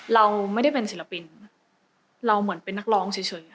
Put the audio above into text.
เราไม่ได้เป็นศิลปินเราเหมือนเป็นนักร้องเฉย